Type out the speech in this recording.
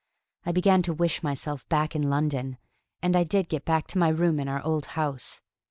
I began to wish myself back in London, and I did get back to my room in our old house.